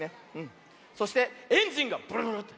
そしてエンジンがブルブルって。